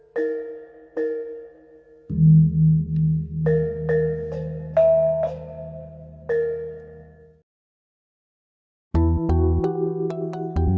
tabung dan jarum